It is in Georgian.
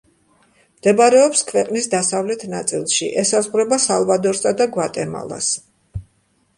მდებარეობს ქვეყნის დასავლეთ ნაწილში; ესაზღვრება სალვადორსა და გვატემალას.